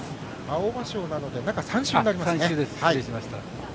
青葉賞なので中３週になりますね。